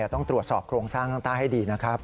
ต้องตรวจสอบโครงสร้างข้างใต้ให้ดีนะครับ